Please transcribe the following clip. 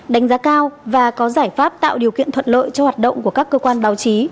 đánh giá cao và có giải pháp tạo điều kiện thuận lợi cho hoạt động của các cơ quan báo chí